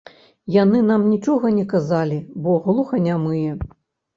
Яны нам нічога не казалі, бо глуханямыя.